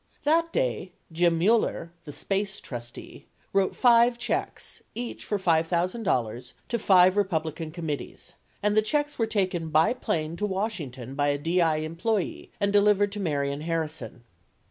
66 That day, Jim Mueller, the SPACE trustee, wrote five checks, each for $5,000, to five Republican committees, and the checks were taken by plane to Washington by a DI employee and delivered to Marion Harrison.